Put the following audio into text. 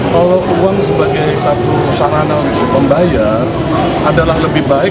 kalau uang sebagai satu sarana untuk membayar adalah lebih baik